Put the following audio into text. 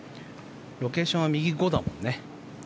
ロケーションは右５だからね。